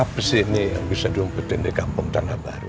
apa sih ini yang bisa diungkutin di kampung tangga baru